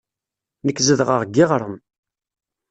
Nekk zedɣeɣ deg yiɣrem.